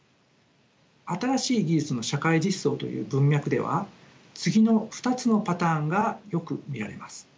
新しい技術の社会実装という文脈では次の２つのパターンがよく見られます。